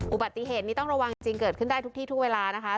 อุบัติเหตุนี้ต้องระวังจริงเกิดขึ้นได้ทุกที่ทุกเวลานะคะ